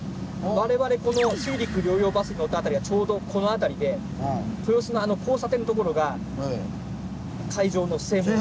我々この水陸両用バスに乗った辺りがちょうどこの辺りで豊洲のあの交差点の所が会場の正門。